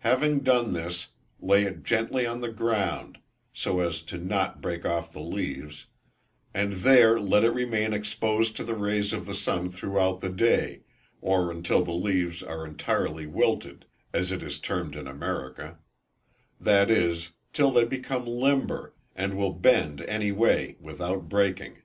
Having done this, lay it gently on the ground, so as not to break off the leaves, and there let it remain exposed to the rays of the sun throughout the day, or until the leaves are entirely wilted, as it is termed in America; that is, till they become limber, and will bend any way without breaking.